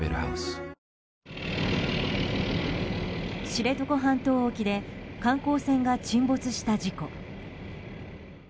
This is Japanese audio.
知床半島沖で観光船が沈没した事故。